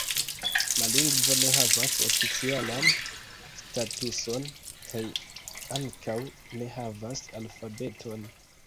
La lingvo ne havas oficialan statuson kaj ankaŭ ne havas alfabeton.